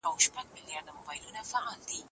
د بدن روغتیا لپاره ورزش یو پوره او بنسټیز اصل دی.